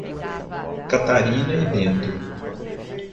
Catarina e Bento